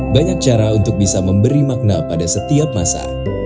banyak cara untuk bisa memberi makna pada setiap masa